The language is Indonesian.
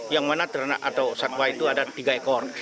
yang mana terenak atau sakwa itu ada tiga ekor